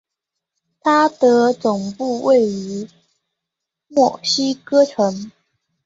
它的总部位于墨西哥城。